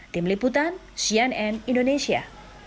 tim liputan cnn indonesia